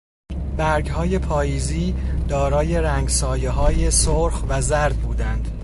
برگهای پاییزی دارای رنگسایههای سرخ و زرد بودند.